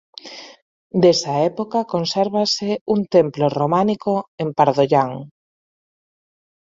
Desa época consérvase un templo románico en Pardollán.